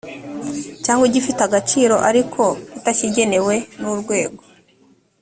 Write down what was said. cyangwa igifite agaciro ariko itagikenewe n urwego